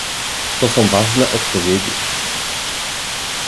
To są ważne odpowiedzi